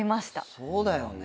そうだよね。